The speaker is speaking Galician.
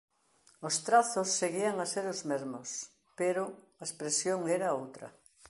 Os trazos seguían a ser os mesmos, pero a expresión era outra.